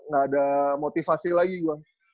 gak ada motivasi lagi gue